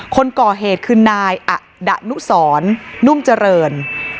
คนก่อเหตุคือนายอดะนุสรนุ่มเจริญ